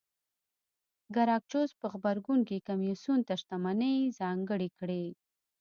ګراکچوس په غبرګون کې کمېسیون ته شتمنۍ ځانګړې کړې